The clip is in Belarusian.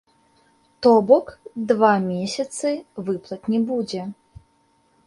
То бок два месяцы выплат не будзе.